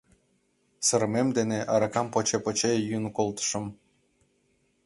Сырымем дене аракам поче-поче йӱын колтышым.